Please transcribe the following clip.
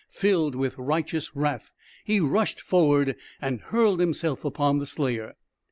Filled with righteous wrath, he rushed forward and hurled himself upon the slayer.